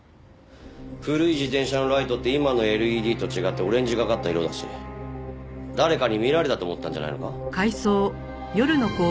古い自転車のライトって今のＬＥＤと違ってオレンジがかった色だし誰かに見られたと思ったんじゃないのか？